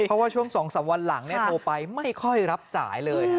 เพราะว่าช่วง๒๓วันหลังโทรไปไม่ค่อยรับสายเลย